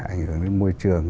ảnh hưởng đến môi trường